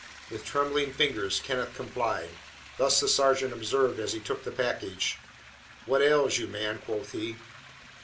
With trembling fingers Kenneth complied. This the sergeant observed as he took the package. "What ails you, man?" quoth he.